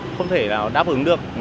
không thể nào đáp ứng được